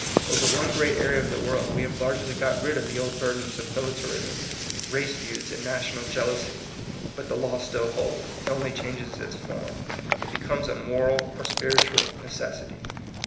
Over one great area of the world we have largely got rid of the old burdens of militarism, race feuds and national jealousy. But the law still holds ; it only changes its form ; it becomes a moral or spiritual necessity.